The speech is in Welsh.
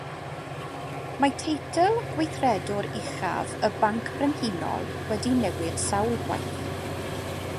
Mae teitl gweithredwr uchaf y Banc Brenhinol wedi newid sawl gwaith.